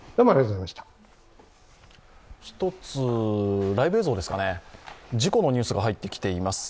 １つライブ映像ですか、事故のニュースが入ってきています。